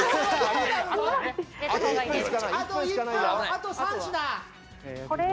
あと３品！